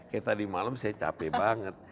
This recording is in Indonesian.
kayak tadi malam saya capek banget